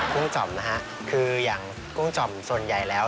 กุ้งจ่อมนะฮะคืออย่างกุ้งจ่อมส่วนใหญ่แล้ว